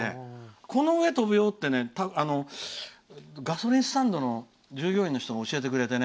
この上、飛ぶよってガソリンスタンドの従業員の人が教えてくれてね。